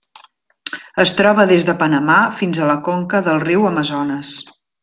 Es troba des de Panamà fins a la conca del riu Amazones.